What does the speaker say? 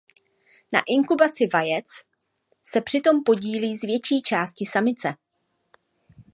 Na inkubaci vajec se přitom podílí z větší části samice.